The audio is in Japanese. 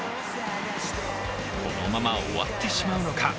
このまま終わってしまうのか。